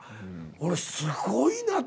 俺すごいなと。